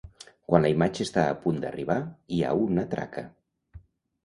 Quan la imatge està a punt d'arribar hi ha una traca.